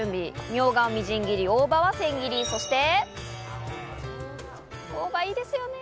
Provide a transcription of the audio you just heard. みょうがをみじん切り、大葉は千切り、そして。